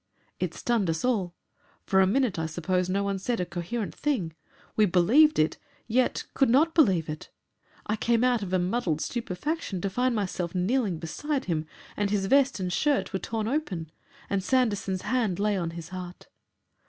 It stunned us all. For a minute I suppose no one said a coherent thing. We believed it, yet could not believe it.... I came out of a muddled stupefaction to find myself kneeling beside him, and his vest and shirt were torn open, and Sanderson's hand lay on his heart....